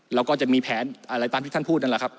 เราก็จะมีแผนอะไรตามที่ท่านพูดนั่นแหละครับ